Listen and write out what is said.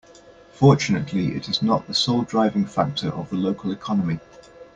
Fortunately its not the sole driving factor of the local economy.